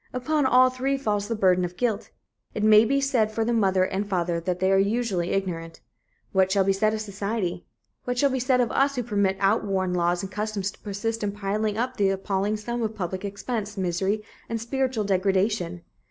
Upon all three falls the burden of guilt. It may be said for the mother and father that they are usually ignorant. What shall be said of society? What shall be said of us who permit outworn laws and customs to persist in piling up the appalling sum of public expense, misery and spiritual degradation?